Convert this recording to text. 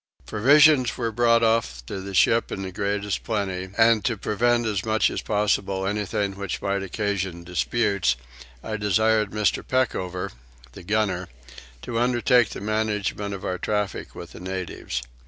Provisions were brought off to the ship in the greatest plenty and, to prevent as much as possible anything which might occasion disputes, I desired Mr. Peckover, the gunner, to undertake the management of our traffic with the natives.